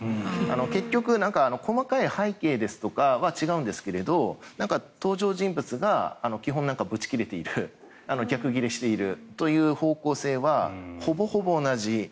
結局、細かい背景ですとかは違うんですけれど登場人物が基本、ブチギレている逆ギレしているという方向性はほぼほぼ同じ。